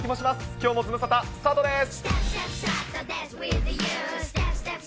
きょうもズムサタ、スタートです。